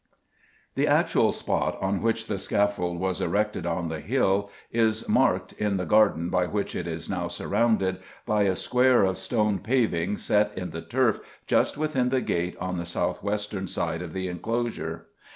The actual spot on which the scaffold was erected on the hill is marked, in the garden by which it is now surrounded, by a square of stone paving set in the turf just within the gate on the south western side of the enclosure.